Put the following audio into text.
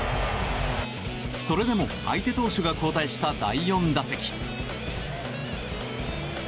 それでも相手投手が交代した第４打席。